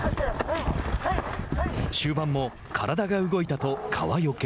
終盤も「体が動いた」と川除。